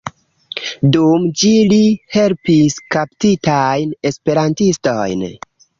Dum ĝi li helpis kaptitajn esperantistojn.